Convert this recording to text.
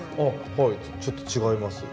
はいちょっと違います。